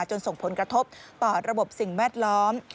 ส่งผลกระทบต่อระบบสิ่งแวดล้อม